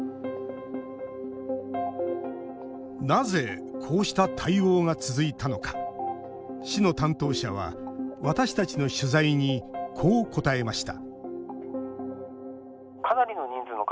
なぜ、こうした対応が続いたのか市の担当者は、私たちの取材にこう答えました